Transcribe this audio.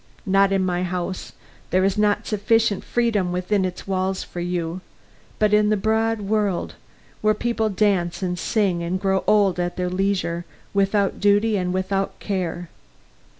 Not in my house; there is not sufficient freedom within its walls for you; but in the broad world, where people dance and sing and grow old at their leisure, without duty and without care.